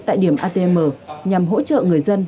tại điểm atm nhằm hỗ trợ người dân